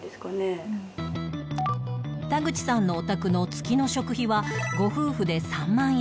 田口さんのお宅の月の食費はご夫婦で３万円